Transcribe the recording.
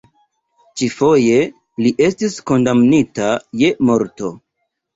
Ĉi-foje, li estis kondamnita je morto.